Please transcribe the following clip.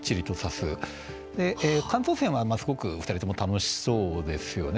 感想戦は、すごく２人とも楽しそうですよね。